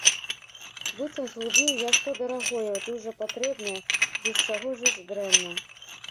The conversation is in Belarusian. Быццам згубіў я што дарагое, дужа патрэбнае, без чаго жыць дрэнна.